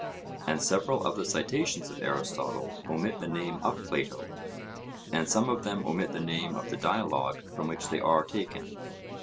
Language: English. And several of the citations of Aristotle omit the name of Plato, and some of them omit the name of the dialogue from which they are taken.